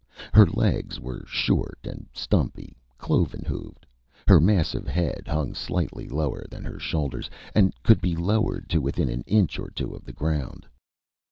Her legs were short and stumpy, cloven hooved. Her massive head hung slightly lower than her shoulders, and could be lowered to within an inch or two of the ground.